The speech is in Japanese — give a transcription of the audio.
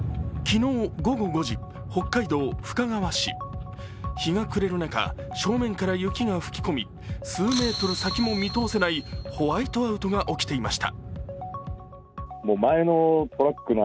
日が暮れる中、正面から雪が吹き込み数メートル先も見通せないホワイトアウトが起きていました。